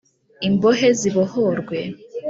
Imbohe zibohorwe